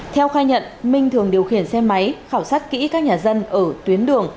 theo khai nhận minh thường điều khiển xe máy khảo sát kỹ các nhà dân ở tuyến đường